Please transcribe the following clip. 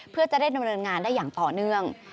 เพื่อจะได้ดำเนินงานได้อย่างต่อเนื่อง